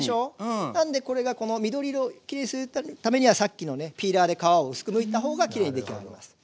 なのでこれがこの緑色をきれいにするためにはさっきのピーラーで皮を薄くむいた方がきれいにできあがります。